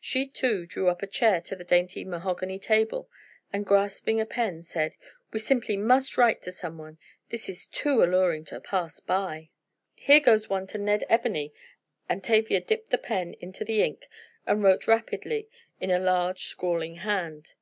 She, too, drew up a chair to the dainty mahogany table and grasping a pen said: "We simply must write to someone. This is too alluring to pass by." "Here goes one to Ned Ebony," and Tavia dipped the pen into the ink and wrote rapidly in a large scrawling hand.